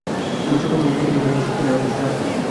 তোমার ছোটো মন, বন্ধুত্ব করিবার শক্তি নাই, অথচ ঠাট্টা।